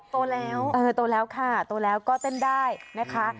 โตแล้วโตแล้วค่ะโตแล้วก็เต้นได้นะคะ